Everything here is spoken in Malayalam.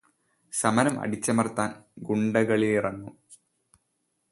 സമരം അടിച്ചമർത്താൻ ഗുണ്ടകളിറങ്ങും.